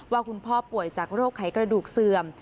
ว่าคุณพ่อป่วยจากโรคไขกระดูกเสื่อม